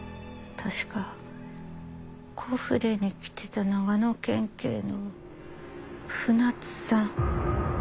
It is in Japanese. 確かコフレに来てた長野県警の船津さん。